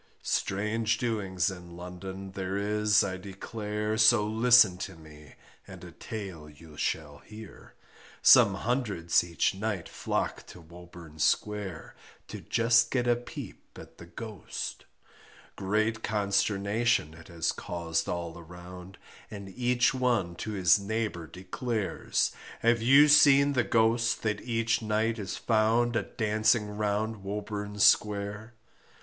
Strange doings in London there is I declare, So listen to me and a tale you shall hear, Some hundreds each night flock to Woburn Square, To just get a peep at the Ghost Great consternation it has caused all around, And each one to his neighbour declares, Have you seen the Ghost that each night is found A dancing round Woburn Square.